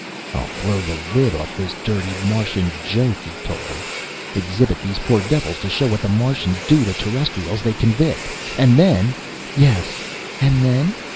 "I'll blow the lid off this dirty Martian Joke," he told her. "Exhibit these poor devils, to show what the Martians do to Terrestrials they convict. And then " "Yes, and then!"